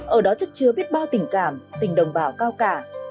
ở đó chất chứa biết bao tình cảm tình đồng bào cao cả